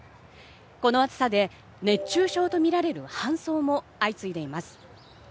この暑さで熱中症とみられる搬送も相次いでいます。